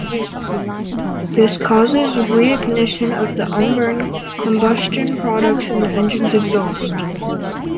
This causes reignition of the unburned combustion products in the engine's exhaust.